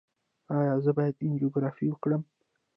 ایا زه باید انجیوګرافي وکړم؟